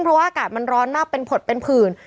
เพราะว่าอากาศมันร้อนมากเป็นผดเป็นผื่น